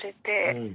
うん。